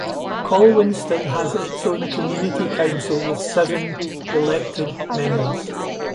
Colwinston has its own community council with seven elected members.